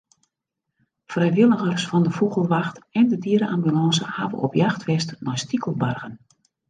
Frijwilligers fan de Fûgelwacht en de diere-ambulânse hawwe op jacht west nei stikelbargen.